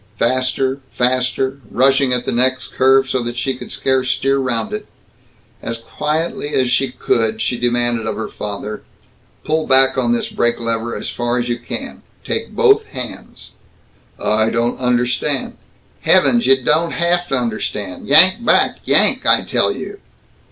Faster, faster, rushing at the next curve so that she could scarce steer round it As quietly as she could, she demanded of her father, "Pull back on this brake lever, far as you can. Take both hands." "I don't understand " "Heavens! Y' don't haft un'stand! Yank back! Yank, I tell you!"